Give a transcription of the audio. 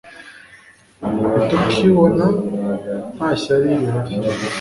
Ntitukibona nta shyari rihari